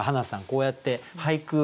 こうやって俳句